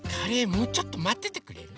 もうちょっとまっててくれる？